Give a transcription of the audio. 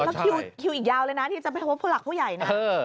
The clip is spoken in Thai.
แล้วคิวอีกยาวเลยนะที่จะไปพบผู้หลักผู้ใหญ่นะ